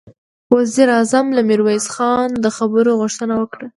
وزير اعظم له ميرويس خانه د خبرو غوښتنه وکړه.